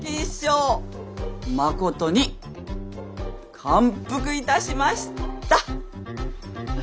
誠に感服いたしました！